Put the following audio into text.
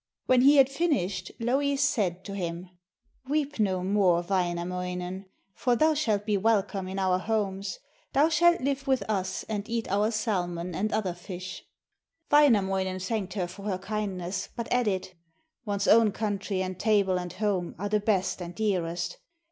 When he had finished Louhi said to him: 'Weep no more, Wainamoinen, for thou shalt be welcome in our homes, thou shalt live with us and eat our salmon and other fish.' Wainamoinen thanked her for her kindness, but added: 'One's own country and table and home are the best and dearest.